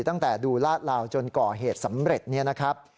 ตั้งแต่ดูลาดลาวจนก่อเหตุสำเร็จเนี่ยนะครับ